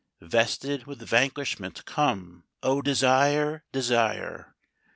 III Vested with vanquishment, come, O Desire, Desire!